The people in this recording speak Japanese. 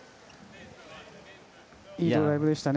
いいドライブでしたね。